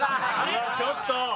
ちょっと！